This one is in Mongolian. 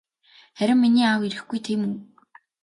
Харин миний аав ирэхгүй тийм үү?